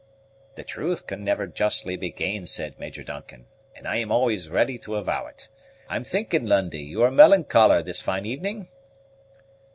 "The truth can never justly be gainsaid, Major Duncan, and I am always ready to avow it. I'm thinking, Lundie, you are melancholar this fine evening?"